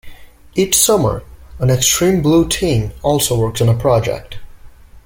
Each summer an Extreme Blue team also works on a project.